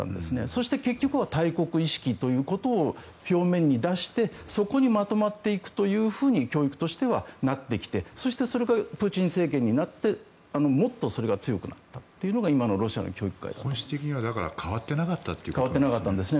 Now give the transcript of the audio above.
そして結局は大国意識ということを表面に出してそこにまとまっていくというふうに教育としてはなってきてそしてそれからプーチン政権になってもっとそれが強くなったというのが今のロシアの教育です。